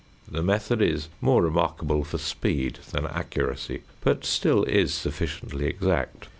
The method is more remarkable for speed than accuracy, but still is sufficiently exact.